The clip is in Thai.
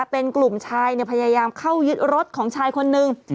เป็นกลุ่มชายพยายามเข้ายึดรถของชายคนนึง